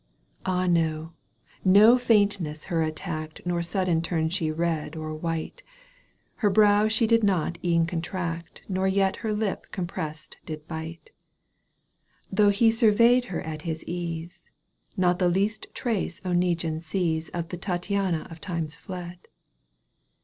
Ah no ! no faintness her attacked Nor sudden turned she red or white, Her brow she did not e'en contract Nor yet her lip compressed did bite. Though he surveyed her at his ease, Not the least trace Oneguine sees Of the Tattiana of times fled.